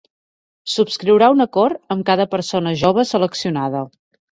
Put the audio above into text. Subscriurà un acord amb cada persona jove seleccionada.